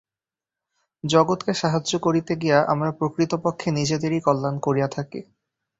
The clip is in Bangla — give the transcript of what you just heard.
জগৎকে সাহায্য করিতে গিয়া আমরা প্রকৃতপক্ষে নিজেদেরই কল্যাণ করিয়া থাকি।